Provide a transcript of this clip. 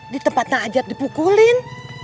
di tempat nek ajat dipukulin